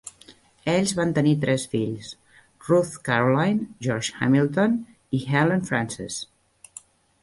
Ells van tenir tres fills: Ruth Caroline, George Hamilton i Helen Frances.